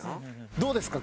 どうですか？